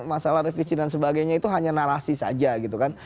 masalah revisi dan sebagainya itu hanya narasi saja gitu kan